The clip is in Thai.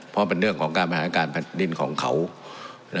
เพราะเป็นเรื่องของการบริหารการแผ่นดินของเขา